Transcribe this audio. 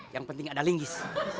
yang penting ada lingis